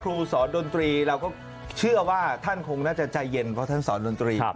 ครูสอนดนตรีเราก็เชื่อว่าท่านคงน่าจะใจเย็นเพราะท่านสอนดนตรี